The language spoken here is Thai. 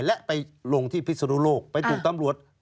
และไปลงที่พิศนุโลกไปถูกตำรวจ